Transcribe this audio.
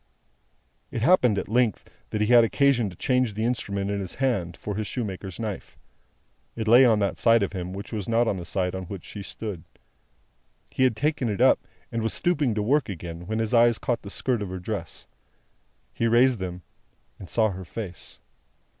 It happened, at length, that he had occasion to change the instrument in his hand, for his shoemaker's knife. It lay on that side of him which was not the side on which she stood. He had taken it up, and was stooping to work again, when his eyes caught the skirt of her dress. He raised them, and saw her face.